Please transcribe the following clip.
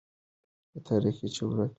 تاریخ چې ورک دی، باید پیدا سي.